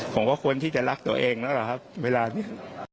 ผมก็ควรที่จะรักตัวเองแล้วล่ะครับเวลานี้